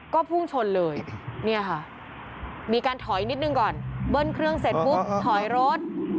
ก็พุ่งชนเลยเนี่ยค่ะมีการถอยนิดนึงก่อนเบิ้ลเครื่องเสร็จปุ๊บถอยรถ